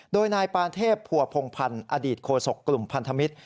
โดยนายปานเทพภัวพงพันธ์อดีตโฆษกกลุ่มพันธมิตร